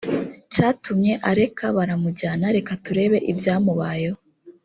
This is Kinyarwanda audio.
cyatumye areka baramujyana reka turebe ibyamubayeho